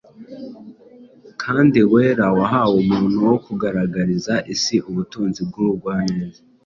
kandi wera wahawe umuntu wo kugaragariza isi ubutunzi bw’ubugwaneza,